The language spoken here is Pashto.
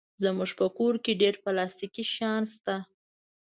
زموږ په کور کې ډېر پلاستيکي شیان شته.